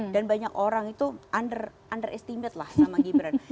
dan banyak orang itu underestimate lah sama gibran